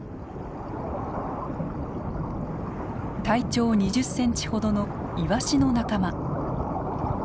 体長２０センチほどのイワシの仲間。